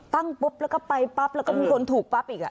ปุ๊บแล้วก็ไปปั๊บแล้วก็มีคนถูกปั๊บอีก